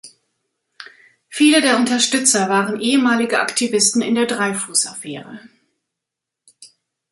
Viele der Unterstützer waren ehemalige Aktivisten in der Dreyfus-Affäre.